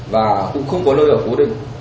và cũng không có nơi ở hố định